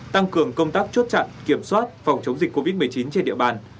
tăng cường công tác chốt chặn kiểm soát phòng chống dịch covid một mươi chín trên địa bàn